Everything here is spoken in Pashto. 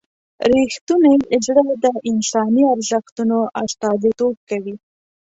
رښتونی زړه د انساني ارزښتونو استازیتوب کوي.